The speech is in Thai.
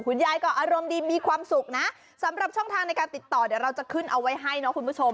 คุณยายก็อารมณ์ดีมีความสุขนะสำหรับช่องทางในการติดต่อเดี๋ยวเราจะขึ้นเอาไว้ให้เนาะคุณผู้ชม